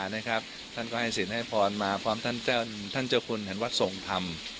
ท่านก็ให้สินให้พรมาพร้อมท่านเจ้าคุณแห่งวัดทรงธรรม